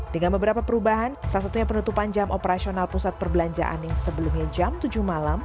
dengan beberapa perubahan salah satunya penutupan jam operasional pusat perbelanjaan yang sebelumnya jam tujuh malam